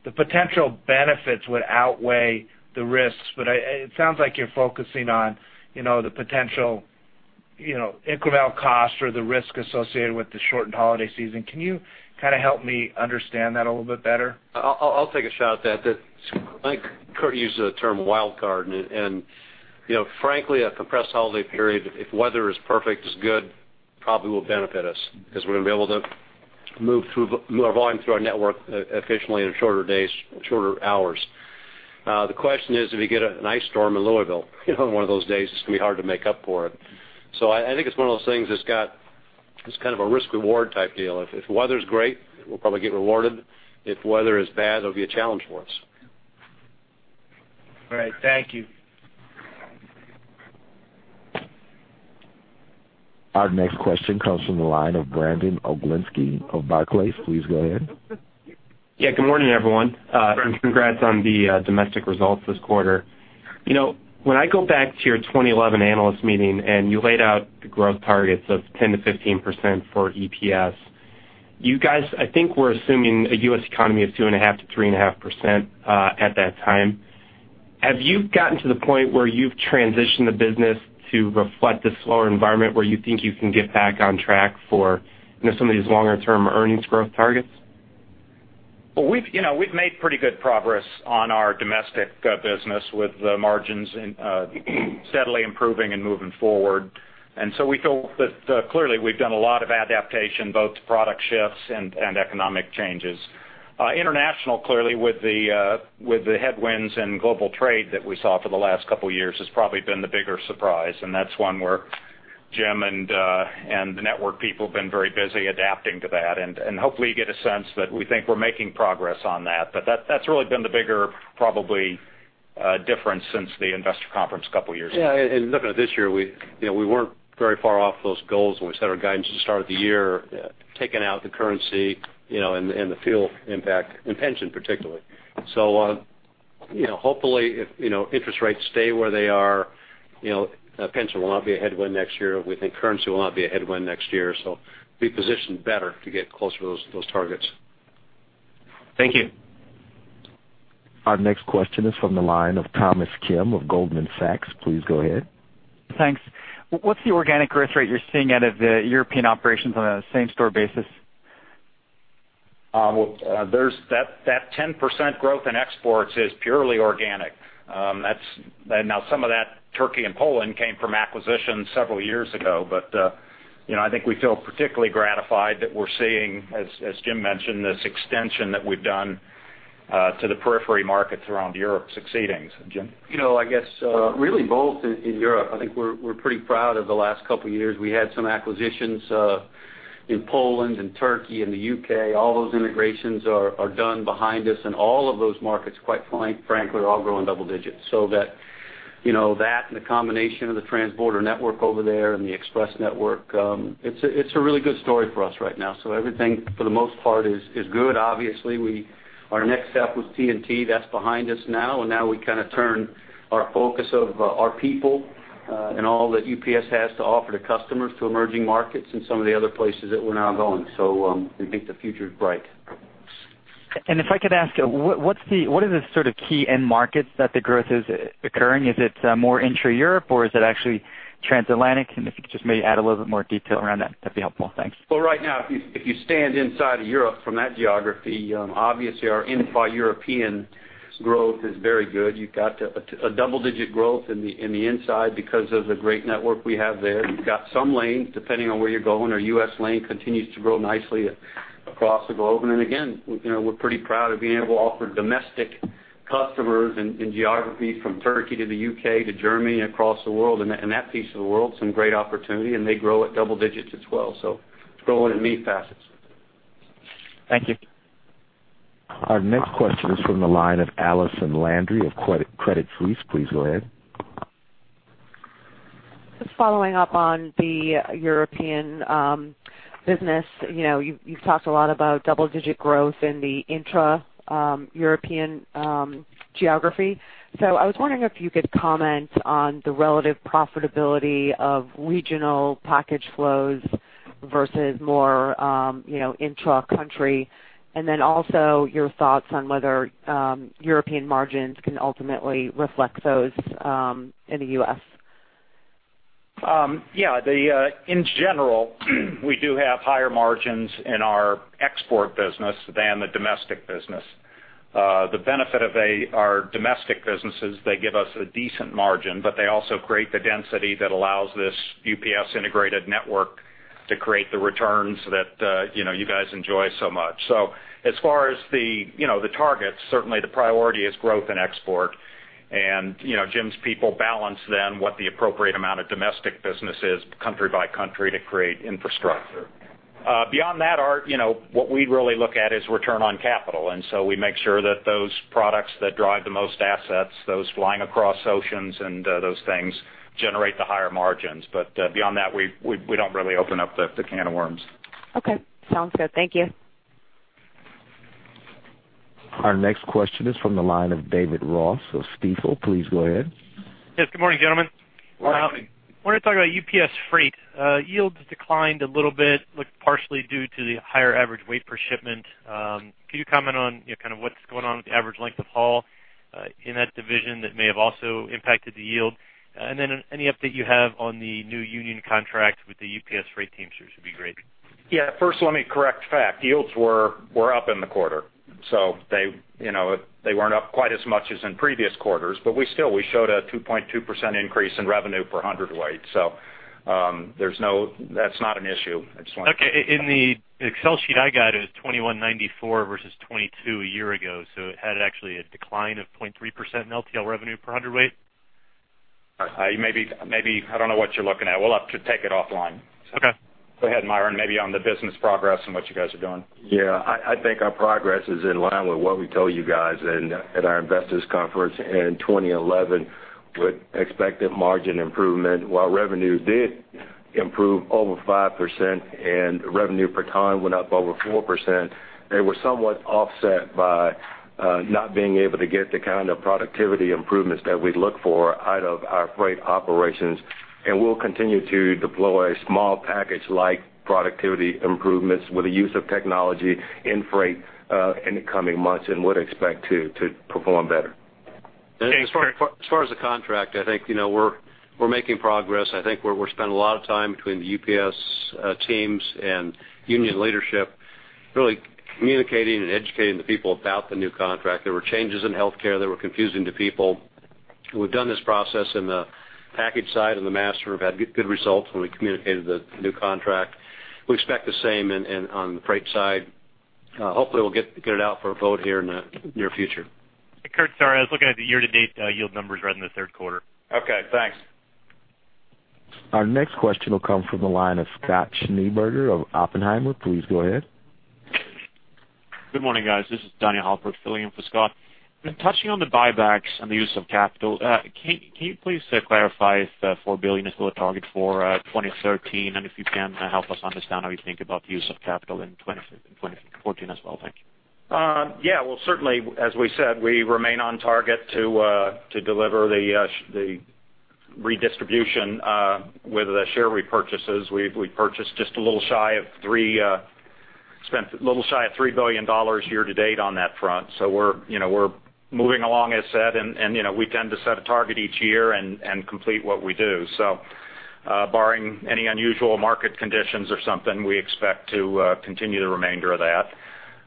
the potential benefits would outweigh the risks. But it sounds like you're focusing on, you know, the potential, you know, incremental cost or the risk associated with the shortened holiday season. Can you kind of help me understand that a little bit better? I'll take a shot at that. That I think Kurt used the term wild card, and, you know, frankly, a compressed holiday period, if weather is perfect, is good, probably will benefit us because we're going to be able to move through, move our volume through our network efficiently in shorter days, shorter hours. The question is, if you get an ice storm in Louisville, you know, one of those days, it's going to be hard to make up for it. So I think it's one of those things that's got... It's kind of a risk-reward type deal. If weather's great, we'll probably get rewarded. If weather is bad, it'll be a challenge for us. All right. Thank you. Our next question comes from the line of Brandon Oglenski of Barclays. Please go ahead. Yeah, good morning, everyone. Congrats on the domestic results this quarter. You know, when I go back to your 2011 analyst meeting, and you laid out the growth targets of 10%-15% for EPS, you guys, I think, were assuming a U.S. economy of 2.5%-3.5% at that time. Have you gotten to the point where you've transitioned the business to reflect the slower environment, where you think you can get back on track for, you know, some of these longer-term earnings growth targets? Well, we've, you know, we've made pretty good progress on our domestic business, with the margins steadily improving and moving forward. And so we feel that clearly, we've done a lot of adaptation, both to product shifts and economic changes. International, clearly, with the headwinds in global trade that we saw for the last couple of years, has probably been the bigger surprise, and that's one where Jim and the network people have been very busy adapting to that. And hopefully, you get a sense that we think we're making progress on that. But that, that's really been the bigger, probably, difference since the investor conference a couple of years ago. Yeah, and looking at this year, we, you know, we weren't very far off those goals when we set our guidance at the start of the year, taking out the currency, you know, and the fuel impact and pension, particularly. So, you know, hopefully, if, you know, interest rates stay where they are, you know, pension will not be a headwind next year. We think currency will not be a headwind next year, so be positioned better to get closer to those, those targets. Thank you. Our next question is from the line of Thomas Kim of Goldman Sachs. Please go ahead. Thanks. What's the organic growth rate you're seeing out of the European operations on a same-store basis? Well, that 10% growth in exports is purely organic. That's, and now some of that, Turkey and Poland, came from acquisitions several years ago. But, you know, I think we feel particularly gratified that we're seeing, as Jim mentioned, this extension that we've done, to the periphery markets around Europe succeeding. Jim? You know, I guess, really both in Europe, I think we're pretty proud of the last couple of years. We had some acquisitions in Poland and Turkey and the UK. All those integrations are done behind us, and all of those markets, quite frankly, are all growing double digits. So that, you know, that and the combination of the transborder network over there and the express network, it's a really good story for us right now. So everything, for the most part, is good. Obviously, our next step was TNT. That's behind us now, and now we kind of turn our focus of our people and all that UPS has to offer to customers to emerging markets and some of the other places that we're now going. So we think the future is bright. If I could ask, what are the sort of key end markets that the growth is occurring? Is it more intra-Europe, or is it actually transatlantic? If you could just maybe add a little bit more detail around that, that'd be helpful. Thanks. Well, right now, if you stand inside of Europe from that geography, obviously, our intra-European growth is very good. You've got a double-digit growth in the inside because of the great network we have there. You've got some lanes, depending on where you're going. Our US lane continues to grow nicely across the globe. And again, you know, we're pretty proud of being able to offer domestic customers and geographies from Turkey to the UK to Germany across the world. And that piece of the world, some great opportunity, and they grow at double digits as well. So it's growing in many facets. Thank you. Our next question is from the line of Allison Landry of Credit Suisse. Please go ahead. Just following up on the European business, you know, you've, you've talked a lot about double-digit growth in the intra-European geography. So I was wondering if you could comment on the relative profitability of regional package flows versus more, you know, intra-country, and then also your thoughts on whether European margins can ultimately reflect those in the US? Yeah, in general, we do have higher margins in our export business than the domestic business. The benefit of our domestic business is they give us a decent margin, but they also create the density that allows this UPS integrated network to create the returns that, you know, you guys enjoy so much. So as far as, you know, the targets, certainly the priority is growth and export... and, you know, Jim's people balance then what the appropriate amount of domestic business is, country by country, to create infrastructure. Beyond that, Art, you know, what we really look at is return on capital, and so we make sure that those products that drive the most assets, those flying across oceans and, those things, generate the higher margins. But, beyond that, we don't really open up the can of worms. Okay. Sounds good. Thank you. Our next question is from the line of David Ross of Stifel. Please go ahead. Yes, good morning, gentlemen. Morning. I want to talk about UPS Freight. Yields declined a little bit, looked partially due to the higher average weight per shipment. Can you comment on, you know, kind of what's going on with the average length of haul in that division that may have also impacted the yield? And then any update you have on the new union contract with the UPS Freight team sure would be great. Yeah, first, let me correct fact. Yields were up in the quarter, so they, you know, they weren't up quite as much as in previous quarters, but we still, we showed a 2.2% increase in revenue per hundredweight. So, there's no, that's not an issue. I just want- Okay. In the Excel sheet I got, it was 21.94 versus 22 a year ago, so it had actually a decline of 0.3% in LTL revenue per hundredweight. Maybe, maybe... I don't know what you're looking at. We'll have to take it offline. Okay. Go ahead, Myron, maybe on the business progress and what you guys are doing. Yeah, I think our progress is in line with what we told you guys at our Investor Conference in 2011, with expected margin improvement. While revenue did improve over 5% and revenue per ton went up over 4%, they were somewhat offset by not being able to get the kind of productivity improvements that we look for out of our freight operations. And we'll continue to deploy small package-like productivity improvements with the use of technology in freight in the coming months and would expect to perform better. Thanks. As far as the contract, I think, you know, we're making progress. I think we're spending a lot of time between the UPS teams and union leadership, really communicating and educating the people about the new contract. There were changes in healthcare that were confusing to people. We've done this process in the package side and the master. We've had good results when we communicated the new contract. We expect the same on the freight side. Hopefully, we'll get it out for a vote here in the near future. Kurt, sorry, I was looking at the year-to-date, yield numbers, rather than the third quarter. Okay, thanks. Our next question will come from the line of Scott Schneeberger of Oppenheimer. Please go ahead. Good morning, guys. This is Danny Halpert, filling in for Scott. Touching on the buybacks and the use of capital, can you please clarify if the $4 billion is still a target for 2013? And if you can, help us understand how you think about the use of capital in 2014 as well. Thank you. Yeah, well, certainly, as we said, we remain on target to deliver the redistribution with the share repurchases. We've purchased just a little shy of $3 billion, spent a little shy of $3 billion year to date on that front. So we're, you know, we're moving along as set, and, you know, we tend to set a target each year and complete what we do. So, barring any unusual market conditions or something, we expect to continue the remainder of that.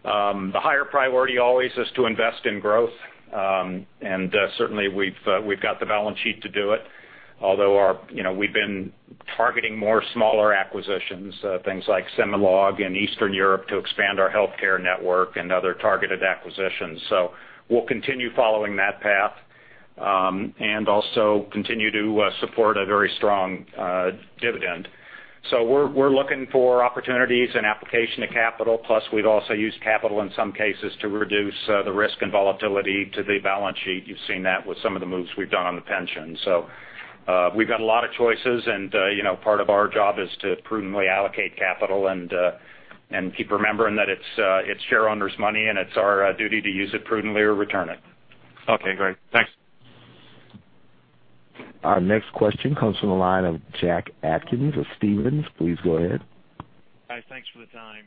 The higher priority always is to invest in growth, and, certainly, we've got the balance sheet to do it. Although our, you know, we've been targeting more smaller acquisitions, things like Cemelog in Eastern Europe to expand our healthcare network and other targeted acquisitions. So we'll continue following that path, and also continue to support a very strong dividend. So we're looking for opportunities and application to capital, plus we'd also use capital in some cases to reduce the risk and volatility to the balance sheet. You've seen that with some of the moves we've done on the pension. So we've got a lot of choices, and you know, part of our job is to prudently allocate capital and keep remembering that it's shareowners' money, and it's our duty to use it prudently or return it. Okay, great. Thanks. Our next question comes from the line of Jack Atkins of Stephens. Please go ahead. Hi, thanks for the time.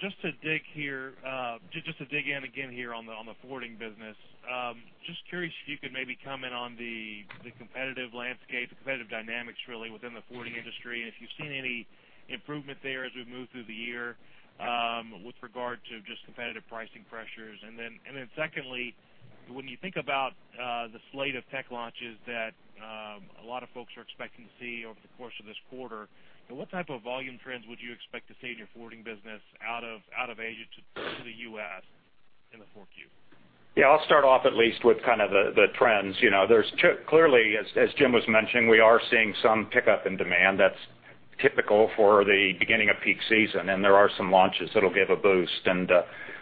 Just to dig in again here on the forwarding business. Just curious if you could maybe comment on the competitive landscape, the competitive dynamics, really, within the forwarding industry, and if you've seen any improvement there as we've moved through the year, with regard to just competitive pricing pressures. And then secondly, when you think about the slate of tech launches that a lot of folks are expecting to see over the course of this quarter, what type of volume trends would you expect to see in your forwarding business out of Asia to the U.S. in the fourth Q? Yeah, I'll start off at least with kind of the trends. You know, there's clearly, as Jim was mentioning, we are seeing some pickup in demand that's typical for the beginning of peak season, and there are some launches that'll give a boost. And,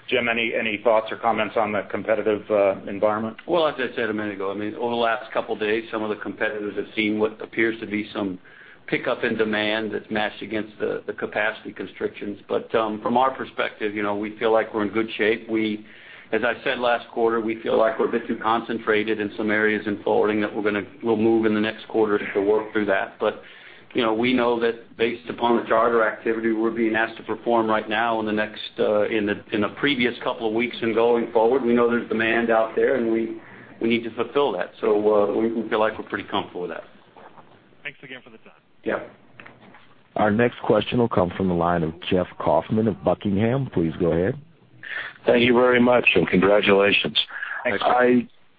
Jim, any thoughts or comments on the competitive environment? Well, as I said a minute ago, I mean, over the last couple of days, some of the competitors have seen what appears to be some pickup in demand that's matched against the capacity constrictions. But from our perspective, you know, we feel like we're in good shape. We—as I said last quarter, we feel like we're a bit too concentrated in some areas in forwarding that we're gonna—we'll move in the next quarter to work through that. But you know, we know that based upon the charter activity, we're being asked to perform right now in the next, in the previous couple of weeks and going forward, we know there's demand out there, and we need to fulfill that. So we feel like we're pretty comfortable with that. Thanks again for the time. Yeah. Our next question will come from the line of Jeff Kauffman of Buckingham. Please go ahead. Thank you very much, and congratulations. Thanks.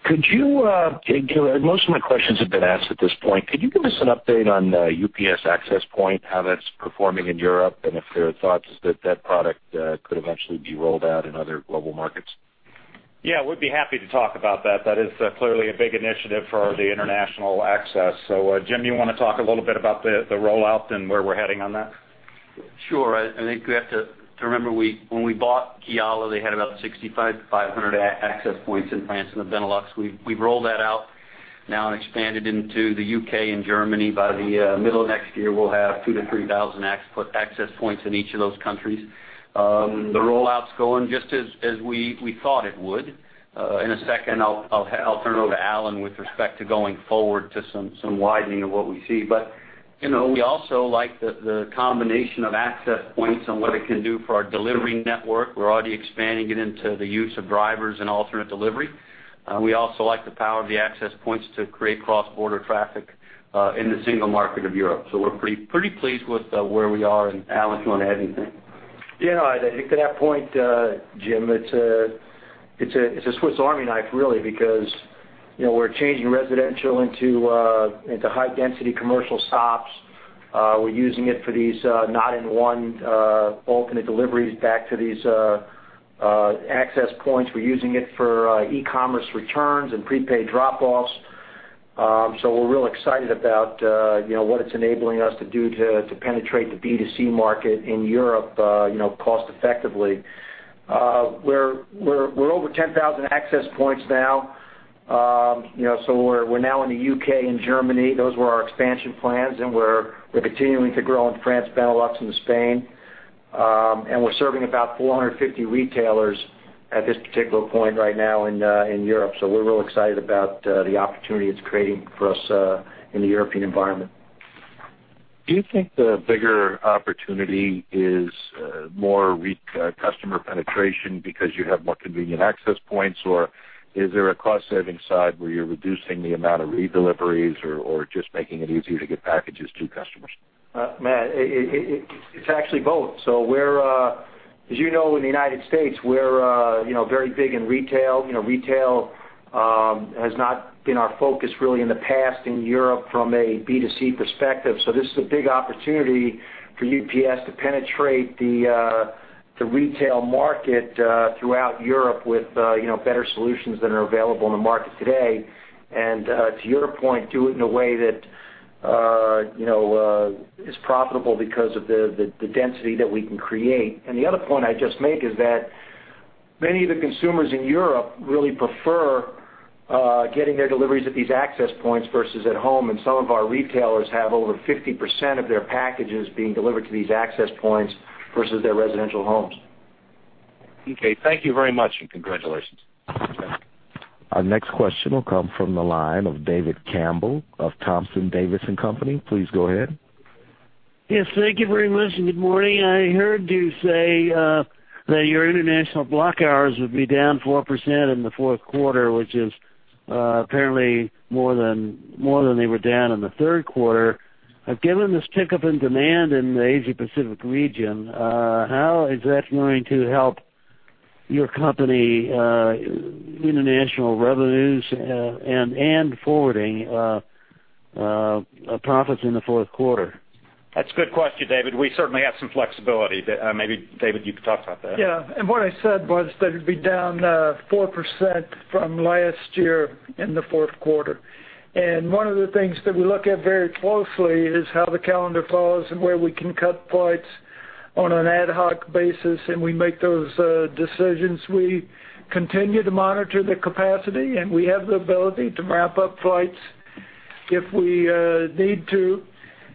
Most of my questions have been asked at this point. Could you give us an update on UPS Access Point, how that's performing in Europe, and if there are thoughts that that product could eventually be rolled out in other global markets?... Yeah, we'd be happy to talk about that. That is clearly a big initiative for the international access. So, Jim, you want to talk a little bit about the rollout and where we're heading on that? Sure. I think we have to remember, when we bought Kiala, they had about 6,500 access points in France and the Benelux. We've rolled that out now and expanded into the U.K. and Germany. By the middle of next year, we'll have 2,000-3,000 access points in each of those countries. The rollout's going just as we thought it would. In a second, I'll turn it over to Alan with respect to going forward to some widening of what we see. But, you know, we also like the combination of access points and what it can do for our delivery network. We're already expanding it into the use of drivers and alternate delivery. We also like the power of the access points to create cross-border traffic in the single market of Europe. So we're pretty, pretty pleased with where we are, and Alan, if you want to add anything. Yeah, I'd, I think to that point, Jim, it's a Swiss Army knife, really, because, you know, we're changing residential into high density commercial stops. We're using it for these Not-In-1 alternate deliveries back to these access points. We're using it for e-commerce returns and prepaid drop-offs. So we're real excited about, you know, what it's enabling us to do to penetrate the B2C market in Europe, you know, cost effectively. We're over 10,000 access points now. You know, so we're now in the UK and Germany. Those were our expansion plans, and we're continuing to grow in France, Benelux, and Spain. And we're serving about 450 retailers at this particular point right now in Europe. We're real excited about the opportunity it's creating for us in the European environment. Do you think the bigger opportunity is more customer penetration because you have more convenient access points, or is there a cost-saving side where you're reducing the amount of redeliveries, or just making it easier to get packages to customers? Matt, it's actually both. So we're, as you know, in the United States, we're, you know, very big in retail. You know, retail has not been our focus really in the past in Europe from a B2C perspective. So this is a big opportunity for UPS to penetrate the retail market throughout Europe with, you know, better solutions than are available in the market today. And to your point, do it in a way that, you know, is profitable because of the density that we can create. The other point I'd just make is that many of the consumers in Europe really prefer getting their deliveries at these access points versus at home, and some of our retailers have over 50% of their packages being delivered to these access points versus their residential homes. Okay, thank you very much, and congratulations. Our next question will come from the line of David Campbell of Thompson Davis & Co. Please go ahead. Yes, thank you very much, and good morning. I heard you say that your international block hours would be down 4% in the fourth quarter, which is apparently more than they were down in the third quarter. Given this pickup in demand in the Asia Pacific region, how is that going to help your company's international revenues and forwarding profits in the fourth quarter? That's a good question, David. We certainly have some flexibility. But, maybe David, you could talk about that. Yeah, and what I said was that it'd be down 4% from last year in the fourth quarter. One of the things that we look at very closely is how the calendar falls and where we can cut flights on an ad hoc basis, and we make those decisions. We continue to monitor the capacity, and we have the ability to wrap up flights if we need to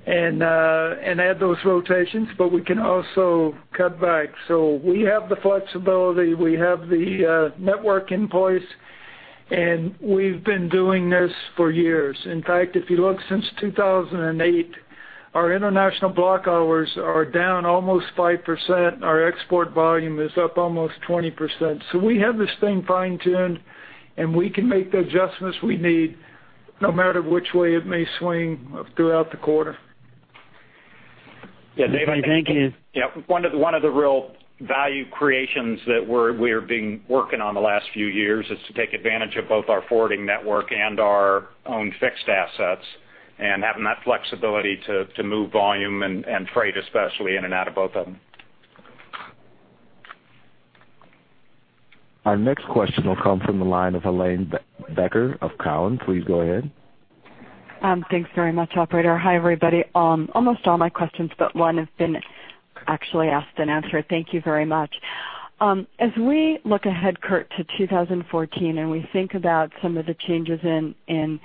and add those rotations, but we can also cut back. So we have the flexibility, we have the network in place, and we've been doing this for years. In fact, if you look since 2008, our international block hours are down almost 5%. Our export volume is up almost 20%. We have this thing fine-tuned, and we can make the adjustments we need no matter which way it may swing throughout the quarter. Yeah, David, thank you. Yeah, one of the real value creations that we're being working on the last few years is to take advantage of both our forwarding network and our own fixed assets, and having that flexibility to move volume and freight, especially in and out of both of them. Our next question will come from the line of Helane Becker of Cowen. Please go ahead. Thanks very much, operator. Hi, everybody. Almost all my questions but one have been actually asked and answered. Thank you very much. As we look ahead, Kurt, to 2014, and we think about some of the changes in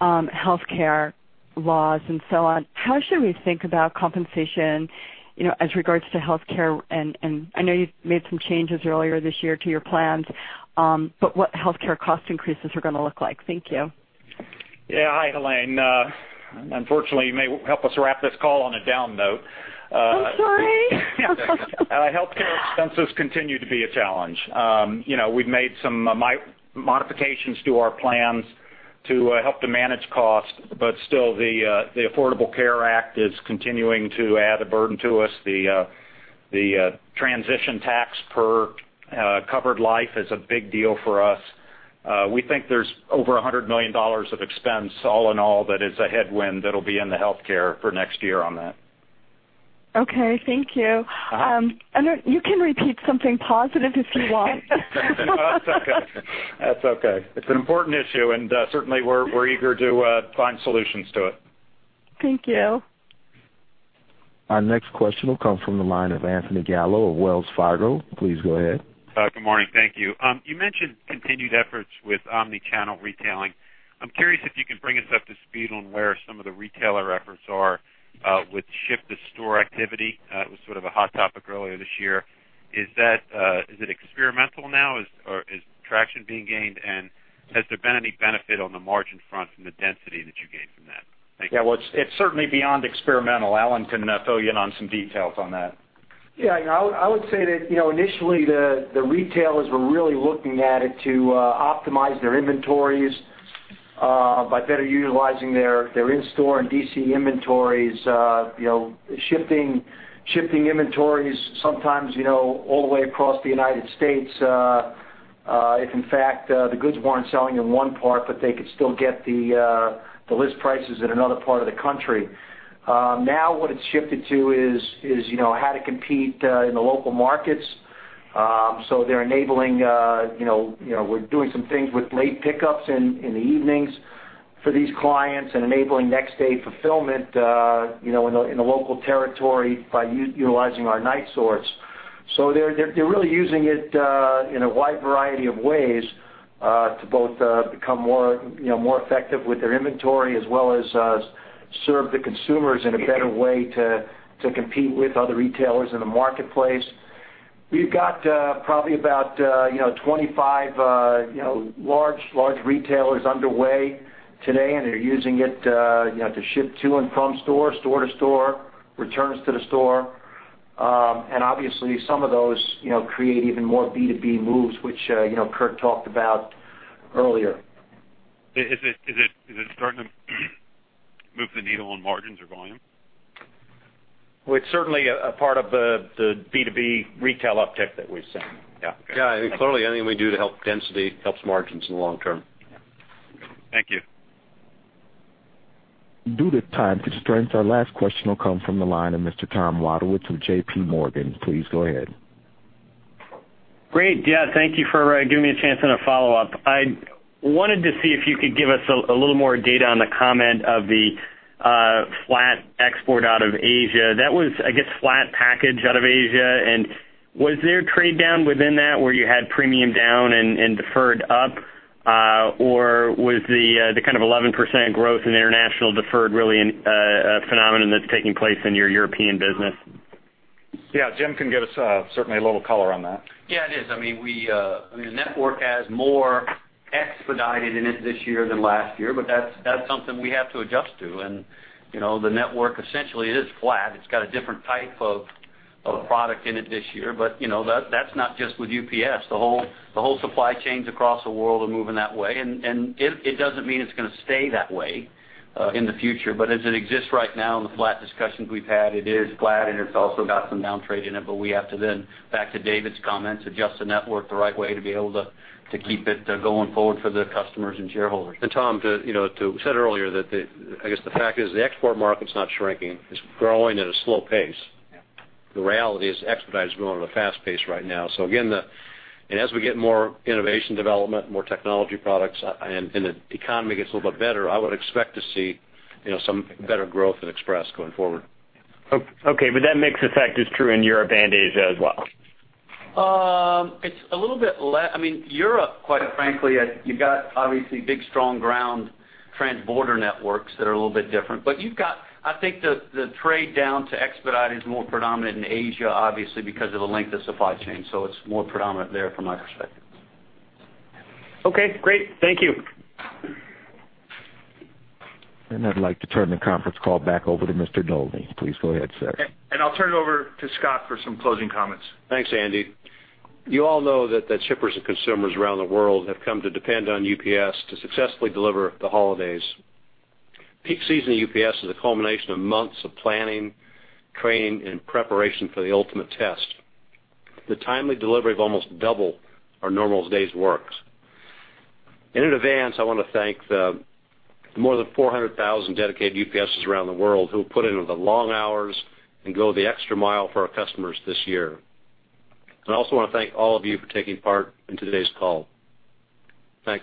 healthcare laws and so on, how should we think about compensation, you know, as regards to healthcare? And I know you've made some changes earlier this year to your plans, but what healthcare cost increases are going to look like? Thank you. Yeah. Hi, Helane. Unfortunately, you may help us wrap this call on a down note. I'm sorry. Healthcare expenses continue to be a challenge. You know, we've made some modifications to our plans to help to manage costs, but still, the Affordable Care Act is continuing to add a burden to us. The transition tax per covered life is a big deal for us. We think there's over $100 million of expense, all in all, that is a headwind that'll be in the healthcare for next year on that. ... Okay, thank you. And you can repeat something positive if you want. That's okay. That's okay. It's an important issue, and certainly, we're eager to find solutions to it. Thank you. Our next question will come from the line of Anthony Gallo of Wells Fargo. Please go ahead. Good morning. Thank you. You mentioned continued efforts with omnichannel retailing. I'm curious if you can bring us up to speed on where some of the retailer efforts are with ship-to-store activity. It was sort of a hot topic earlier this year. Is that is it experimental now? Or is traction being gained? And has there been any benefit on the margin front from the density that you gained from that? Thank you. Yeah, well, it's, it's certainly beyond experimental. Alan can fill you in on some details on that. Yeah, you know, I would say that, you know, initially the retailers were really looking at it to optimize their inventories by better utilizing their in-store and DC inventories. You know, shifting inventories sometimes, you know, all the way across the United States, if in fact the goods weren't selling in one part, but they could still get the list prices in another part of the country. Now what it's shifted to is, you know, how to compete in the local markets. So they're enabling, you know, you know, we're doing some things with late pickups in the evenings for these clients and enabling next-day fulfillment, you know, in the local territory by utilizing our night sorts So they're really using it in a wide variety of ways to both become more, you know, more effective with their inventory, as well as serve the consumers in a better way to compete with other retailers in the marketplace. We've got probably about, you know, 25 large retailers underway today, and they're using it, you know, to ship to and from store, store to store, returns to the store. And obviously, some of those, you know, create even more B2B moves, which, you know, Kurt talked about earlier. Is it starting to move the needle on margins or volume? Well, it's certainly a part of the B2B retail uptick that we've seen. Yeah. Yeah, clearly, anything we do to help density helps margins in the long term. Thank you. Due to time constraints, our last question will come from the line of Mr. Tom Wadewitz with J.P. Morgan. Please go ahead. Great. Yeah, thank you for giving me a chance on a follow-up. I wanted to see if you could give us a little more data on the comment of the flat export out of Asia. That was, I guess, flat package out of Asia. And was there a trade-down within that, where you had premium down and deferred up, or was the kind of 11% growth in international deferred really a phenomenon that's taking place in your European business? Yeah, Jim can give us certainly a little color on that. Yeah, it is. I mean, we, I mean, the network has more expedited in it this year than last year, but that's, that's something we have to adjust to. And, you know, the network essentially is flat. It's got a different type of, of product in it this year. But, you know, that, that's not just with UPS. The whole, the whole supply chains across the world are moving that way, and, and it, it doesn't mean it's going to stay that way, in the future. But as it exists right now, in the flat discussions we've had, it is flat, and it's also got some down trade in it, but we have to then, back to David's comments, adjust the network the right way to be able to, to keep it, going forward for the customers and shareholders. And, Tom, you know, to... We said earlier that, I guess, the fact is the export market's not shrinking. It's growing at a slow pace. Yeah. The reality is, expedite is growing at a fast pace right now. So again, and as we get more innovation development, more technology products, and the economy gets a little bit better, I would expect to see, you know, some better growth in Express going forward. Okay, but that mix effect is true in Europe and Asia as well? It's a little bit less. I mean, Europe, quite frankly, you've got obviously big, strong ground transborder networks that are a little bit different. But you've got, I think the trade down to expedite is more predominant in Asia, obviously, because of the length of supply chain, so it's more predominant there from my perspective. Okay, great. Thank you. I'd like to turn the conference call back over to Mr. Dolny. Please go ahead, sir. I'll turn it over to Scott for some closing comments. Thanks, Andy. You all know that the shippers and consumers around the world have come to depend on UPS to successfully deliver the holidays. Peak season at UPS is a culmination of months of planning, training, and preparation for the ultimate test. The timely delivery of almost double our normal days works. In advance, I want to thank the more than 400,000 dedicated UPSers around the world who put in the long hours and go the extra mile for our customers this year. I also want to thank all of you for taking part in today's call. Thanks.